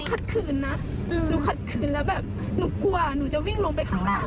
ขัดคืนนะหนูขัดคืนแล้วแบบหนูกลัวหนูจะวิ่งลงไปข้างล่าง